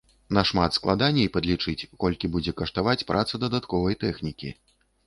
Нашмат складаней падлічыць, колькі будзе каштаваць праца дадатковай тэхнікі.